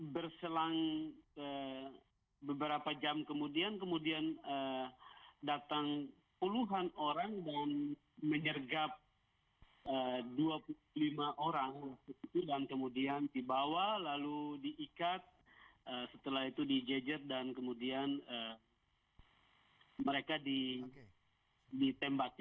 beberapa jam kemudian kemudian datang puluhan orang dan menyergap dua puluh lima orang dan kemudian dibawa lalu diikat setelah itu dijajet dan kemudian mereka ditembak